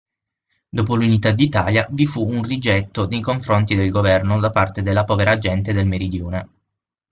Dopo l'unità d'Italia vi fu un rigetto nei confronti del governo da parte della povera gente del meridione.